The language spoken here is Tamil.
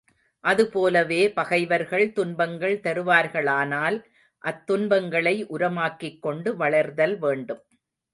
அது போலவே பகைவர்கள் துன்பங்கள் தருவார்களானால் அத்துன்பங்களை உரமாக்கிக் கொண்டு வளர்தல் வேண்டும்.